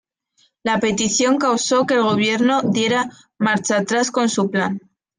La petición causó que el gobierno diera marcha atrás con su plan.